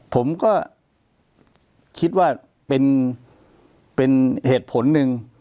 ผมก็คิดว่าเป็นเหตุผลหนึ่ง